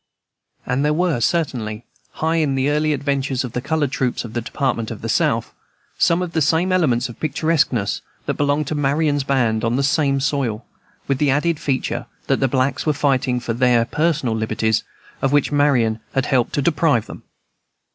And there were, certainly, hi the early adventures of the colored troops in the Department of the South, some of the same elements of picturesqueness that belonged to Marion's band, on the same soil, with the added feature that the blacks were fighting for their personal liberties, of which Marion had helped to deprive them.